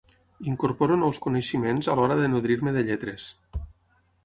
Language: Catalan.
Incorporo nous coneixements a l'hora de nodrir-me de lletres.